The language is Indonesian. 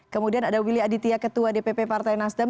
kemudian ada willy aditya ketua dpp partai nasdem